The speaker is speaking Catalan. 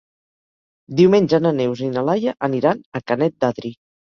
Diumenge na Neus i na Laia aniran a Canet d'Adri.